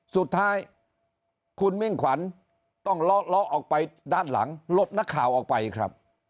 สุดท้ายคุณมิ่งขวัญต้องเลาะออกไปด้านหลังหลบนักข่าวออกไปครับ